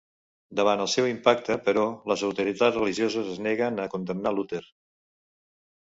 Davant el seu impacte, però, les autoritats religioses es neguen a condemnar Luter.